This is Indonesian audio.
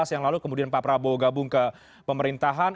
yang lalu kemudian pak prabowo gabung ke pemerintahan